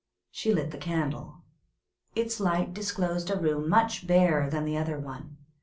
She lit the candle. Its light disclosed a room much barer than the other one.